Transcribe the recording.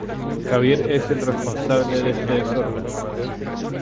¡Javier es el responsable de este desorden!